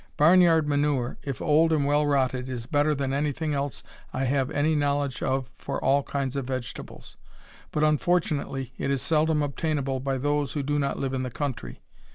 Barn yard manure, if old and well rotted, is better than anything else I have any knowledge of for all kinds of vegetables, but unfortunately it is seldom obtainable by those who do not live in the country.